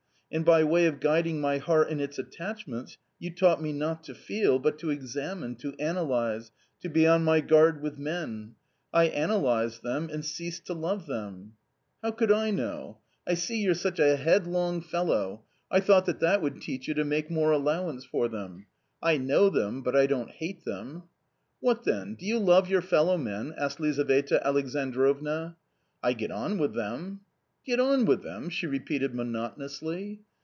And by way of guiding my heart in its attachments you taught me not to feel, but to examine, to analyse, to be on my guard with men. I analysed them — and ceased to love hem !"" How could I know ? You see you're such a headlong 230 A COMMON STORY fellow ; I thought that that would teach you to make more allowance for them. I know them, but I don't hate them." "What, then, do you love your fellow men?" asked Lizaveta Alexandrovna. " I get on with them." " Get on with them ! w she repeated monotonously.